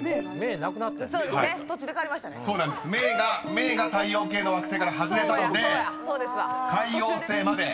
［冥が太陽系の惑星から外れたので海王星まで］